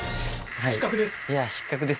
失格です。